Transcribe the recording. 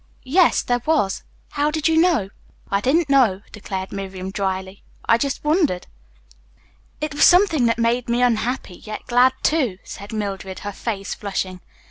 "Yes, there was. How did you know?" "I didn't know," declared Miriam dryly. "I just wondered." "It was something that made me unhappy, yet glad, too," said Mildred, her face flushing.